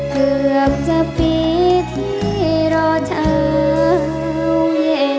เกือบจะปีที่รอเถ้าเย็น